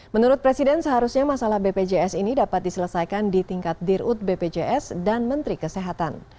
menurut presiden seharusnya masalah bpjs ini dapat diselesaikan di tingkat dirut bpjs dan menteri kesehatan